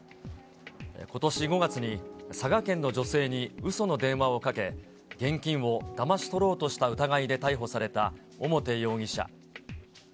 ことし５月に、佐賀県の女性にうその電話をかけ、現金をだまし取ろうとした疑いで逮捕された表容疑者。